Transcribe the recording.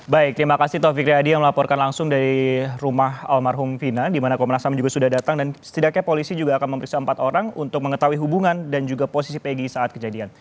baik terima kasih taufik riyadi yang melaporkan langsung dari rumah almarhum vina di mana komnas ham juga sudah datang dan setidaknya polisi juga akan memeriksa empat orang untuk mengetahui hubungan dan juga posisi pg saat kejadian